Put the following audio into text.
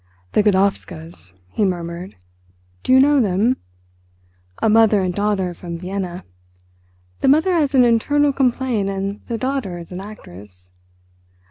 "The Godowskas," he murmured. "Do you know them? A mother and daughter from Vienna. The mother has an internal complaint and the daughter is an actress.